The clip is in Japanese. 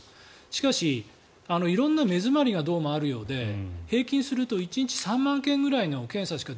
しかし、色んな目詰まりがどうもあるようで平均すると１日３万件くらいの検査しか